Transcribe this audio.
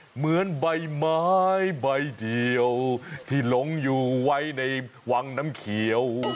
เหมือนใบไม้ใบเดียวที่หลงอยู่ไว้ในวังน้ำเขียว